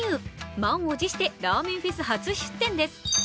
満を持してラーメンフェス初出店です。